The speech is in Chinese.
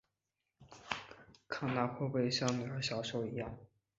看她会不会像女儿小时候一样